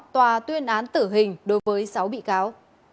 tòa tuyên án tử hình đối với sáu bị cáo